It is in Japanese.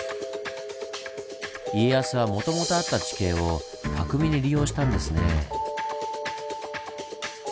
家康はもともとあった地形を巧みに利用したんですねぇ。